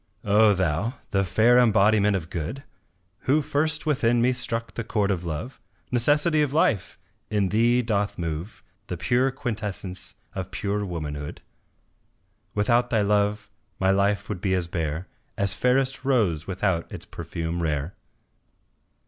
O Thou! the fair embodiment of good, Who first within me struck the chord of Love, Necessity of Life! in thee doth move The pure quintessence of pure womanhood, Without thy love my life would be as bare As fairest rose without its perfume rare.